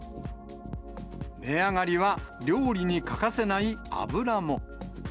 値上がりは料理に欠かせない油も。